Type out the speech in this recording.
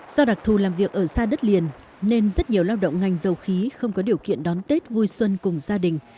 do đặc thù làm việc ở xa đất liền nên rất nhiều lao động ngành dầu khí không có điều kiện đón tết vui xuân cùng gia đình